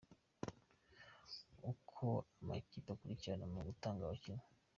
Uko amakipe akurikirana mu gutanga abakinnyi .